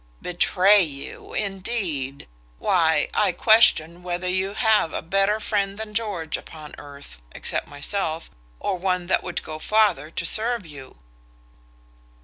Betray you, indeed! why, I question whether you have a better friend than George upon earth, except myself, or one that would go farther to serve you."